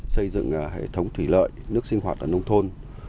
xây dựng hệ thống thủy lợi nước sinh hoạt ở nông thôn